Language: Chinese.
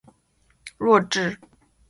弱智？